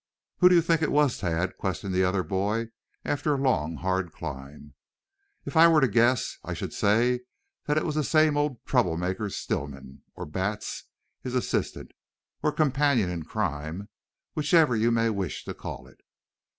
"Who do you think it was, Tad?" questioned the other boy after a long, hard climb. "If I were to guess I should say it was the same old trouble maker, Stillman, or Batts, his assistant, or companion in crime, whichever you may wish to call it."